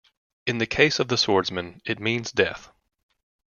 In the case of the swordsman, it means death.